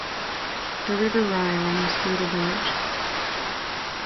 The River Rye runs through the village.